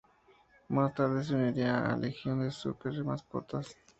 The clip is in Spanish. Más tarde se uniría a la Legión de Super-Mascotas.